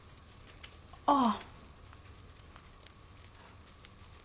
ああ。